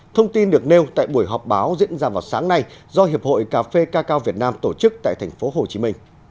thông tin được nêu tại buổi họp báo diễn ra vào sáng nay do hiệp hội cà phê cacao việt nam tổ chức tại tp hcm